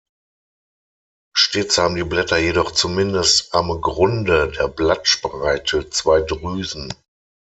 Stets haben die Blätter jedoch zumindest am Grunde der Blattspreite zwei Drüsen.